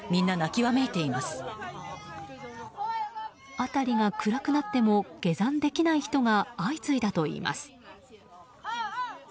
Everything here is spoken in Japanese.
辺りがが暗くなっても下山できない人が相次いだといいます。